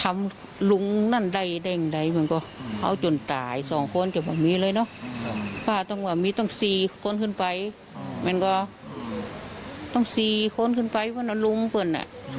มันก็ต้องซีข้นขึ้นไปวันน้ำรุ้มเปิดน่ะ